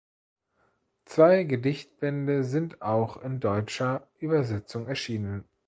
Zwei Gedichtbände sind auch in deutscher Übersetzung erschienen.